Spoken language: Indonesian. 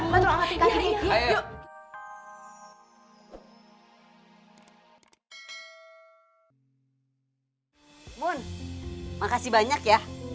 mumun makasih banyak ya